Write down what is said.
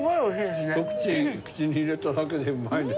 ひと口口に入れただけでうまいね。